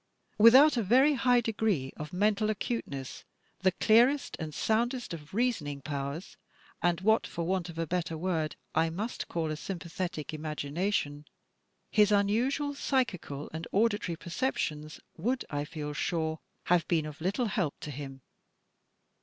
Without a very high degree of mental acuteness, the clearest and soundest of reasoning powers, and what — ^for want of a better word — I must call a sympathetic imagination, his unusual psychical and auditory perceptions would, I feel sure, have been of little help to him.